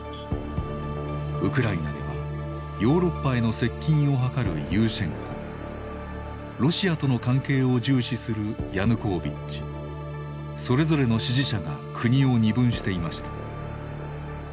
ウクライナではヨーロッパへの接近を図るユーシェンコロシアとの関係を重視するヤヌコービッチそれぞれの支持者が国を二分していました。